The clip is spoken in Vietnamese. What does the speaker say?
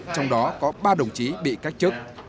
trong đó có ba đồng chí bị cách chức